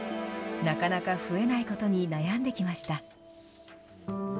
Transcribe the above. なかなか増えないことに悩んできました。